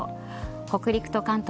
北陸と関東